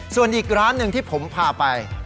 ส่วนอีกร้านหนึ่งที่ผมพาไป